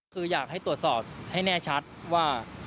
คืออยากให้ตรวจสอบให้แน่ชัดว่า